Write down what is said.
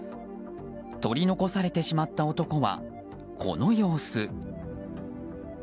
取り残されてしまった男はこの様子。